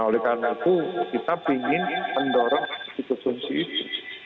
nah oleh karena itu kita ingin mendorong konsumsi itu